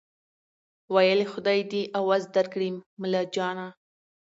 ویل خدای دي عوض درکړي ملاجانه